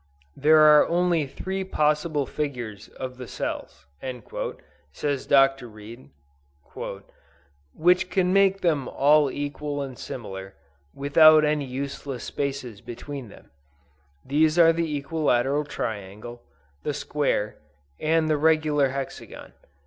"There are only three possible figures of the cells," says Dr. Reid, "which can make them all equal and similar, without any useless spaces between them. These are the equilateral triangle, the square and the regular hexagon.